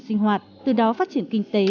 sinh hoạt từ đó phát triển kinh tế